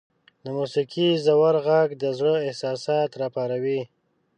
• د موسیقۍ ژور ږغ د زړه احساسات راپاروي.